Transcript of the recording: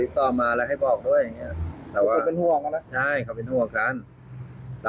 ก็มอบตัวสู้กีศหนีกันไปใช่มั้ยนะ